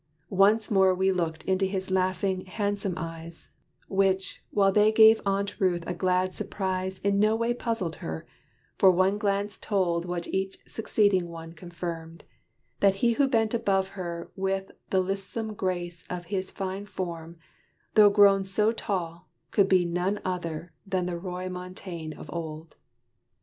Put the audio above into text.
Once more We looked into his laughing, handsome eyes, Which, while they gave Aunt Ruth a glad surprise In no way puzzled her: for one glance told What each succeeding one confirmed, that he Who bent above her with the lissome grace Of his fine form, though grown so tall, could be No other than the Roy Montaine of old.